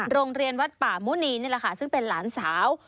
โรงเรียนวัดป่ามุนีนี่แหละค่ะซึ่งเป็นหลานสาว